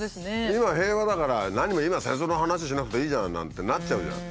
今平和だから何も今戦争の話しなくていいじゃんなんてなっちゃうじゃん。